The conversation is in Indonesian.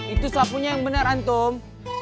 itu sapunya yang bener antum